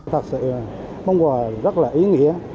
thật sự mong quà rất là ý nghĩa